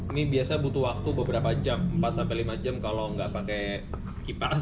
ini biasa butuh waktu beberapa jam empat sampai lima jam kalau nggak pakai kipas